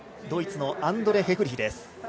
ドイツのアンドレ・ヘフリヒ。